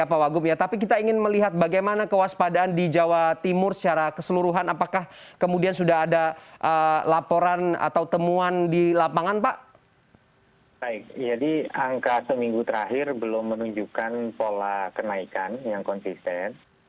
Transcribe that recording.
belum menunjukkan pola kenaikan yang konsisten